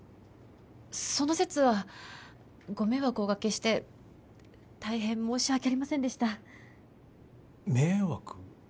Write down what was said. その節はご迷惑をおかけして大変申し訳ありませんでした迷惑？